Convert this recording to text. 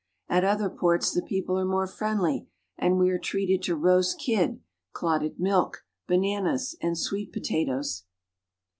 At other ports the people are more friendly, and we are treated to roast kid, clotted milk, bananas, and sweet potatoes.